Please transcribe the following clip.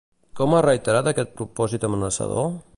Com ha reiterat aquest propòsit amenaçador?